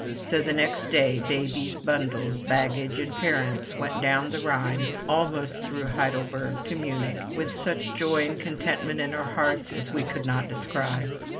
So the next day, babies, bundles, baggage, and parents went down the Rhine, almost through Heidelberg, to Munich, with such joy and contentment in our hearts as we could not describe.